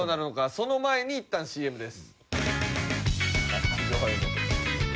その前にいったんＣＭです。